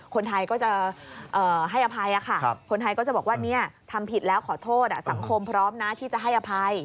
คนไทยก็จะให้อภัยค่ะคนไทยก็จะบอกว่าทำผิดแล้วขอโทษสังคมพร้อมนะที่จะให้อภัย